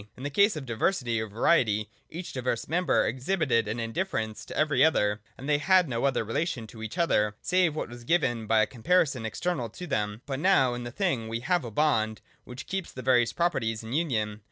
In the case of diversity or variety each diverse member exhibited an indifference to every other, and they had no other relation to each other, save what was given by a comparison external to them. But now in the thing we have a bond which keeps the various properties in union.